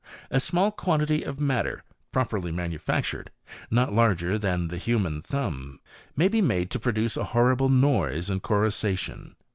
A small quantity of matter, properly manufac tured, not larger than the human thumb, may be made to produce a horrible noise and coruscation.